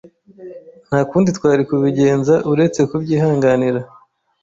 Nta kundi twari kubigenza uretse kubyihanganira.